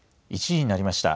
１時になりました。